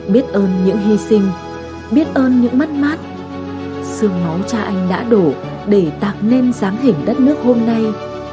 biết ơn những hy sinh biết ơn những mất mát xương máu cha anh đã đổ để tạo nên dáng hình đất nước hôm nay